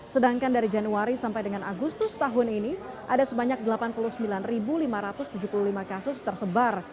sedangkan dari januari sampai dengan agustus tahun ini ada sebanyak delapan puluh sembilan lima ratus tujuh puluh lima kasus tersebar